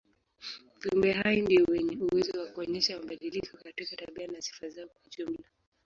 Viumbe hai ndio wenye uwezo wa kuonyesha mabadiliko katika tabia na sifa zao kijumla.